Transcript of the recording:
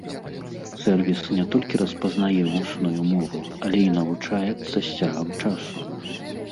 Сэрвіс не толькі распазнае вусную мову, але і навучаецца з цягам часу.